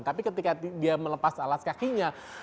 tapi ketika dia melepas alas kakinya